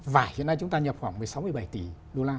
và hiện nay chúng ta nhập khoảng một mươi sáu một mươi bảy tỷ đô la